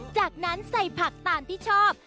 จากนั้นใส่ผักตามที่ชอบ